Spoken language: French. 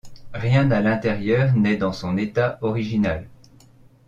Rien à l'intérieur n'est dans son état original.